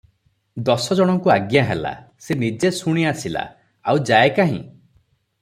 ଦଶଜଣଙ୍କୁ ଆଜ୍ଞା ହେଲା, ସେ ନିଜେ ଶୁଣି ଆସିଲା, ଆଉ ଯାଏ କାହିଁ?